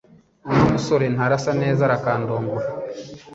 uno musore ntarasanezarakandongora